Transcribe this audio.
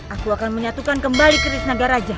aku akan menyatukan kembali kris naga raja